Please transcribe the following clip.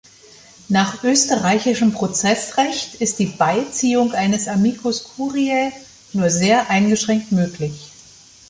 Nach österreichischem Prozessrecht ist die Beiziehung eines "Amicus Curiae" nur sehr eingeschränkt möglich.